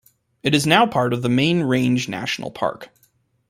It is now part of the Main Range National Park.